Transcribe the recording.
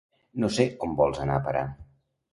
No sé on vols anar a parar.